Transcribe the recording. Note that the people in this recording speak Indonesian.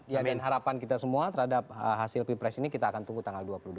dan harapan kita semua terhadap hasil ppres ini kita akan tunggu tanggal dua puluh dua maret mendatang